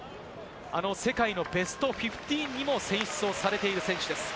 世界のベスト１５にも選出されている選手です。